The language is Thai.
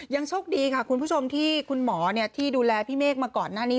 โชคดีค่ะคุณผู้ชมที่คุณหมอที่ดูแลพี่เมฆมาก่อนหน้านี้